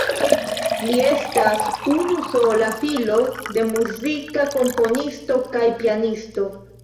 Li estas unusola filo de muzika komponisto kaj pianisto.